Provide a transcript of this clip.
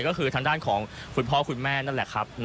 ก็คือทางด้านของคุณพ่อคุณแม่นั่นแหละครับ